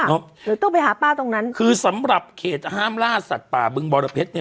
หรือต้องไปหาป้าตรงนั้นคือสำหรับเขตห้ามล่าสัตว์ป่าบึงบรเพชรเนี่ย